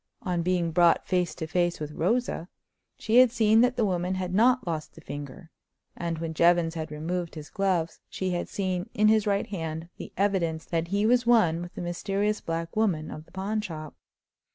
On being brought face to face with Rosa, she had seen that the woman had not lost the finger; and when Jevons had removed his gloves she had seen in his right hand the evidence that he was one with the mysterious black woman of the pawn shop.